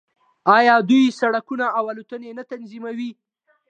آیا دوی سړکونه او الوتنې نه تنظیموي؟